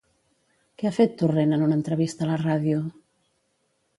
Què ha fet Torrent en una entrevista a la ràdio?